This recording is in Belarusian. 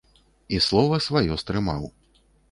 І слова сваё стрымаў.